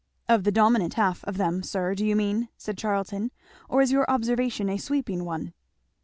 "Of the dominant half of them, sir, do you mean?" said Charlton, "or is your observation a sweeping one?"